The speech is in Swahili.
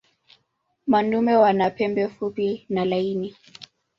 Madume wana pembe fupi na laini.